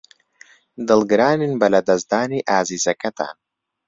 دڵگرانین بە لەدەستدانی ئازیزەکەتان.